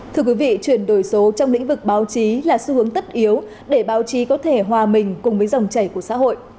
thưa quý vị chuyển đổi số trong lĩnh vực báo chí là xu hướng tất yếu để báo chí có thể hòa mình cùng với dòng chảy của xã hội